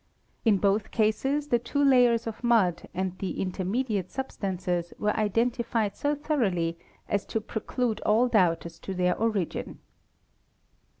In both cases the two layers of mud and the intermediate substances were identified so thoroughly as to preclude all doubt as to their origin.